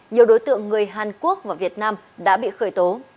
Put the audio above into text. nhiều đối tượng người hàn quốc và việt nam đã bị khởi tố